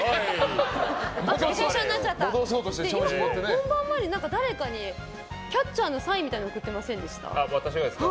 本番前に誰かにキャッチャーのサイン送ってませんでした？